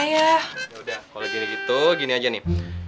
udah kalau gini gitu gini aja nih